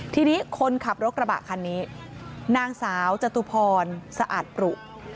ทีนี้คนขับรถกระบะคันนี้นางสาวจตุพรสะอาดปรุ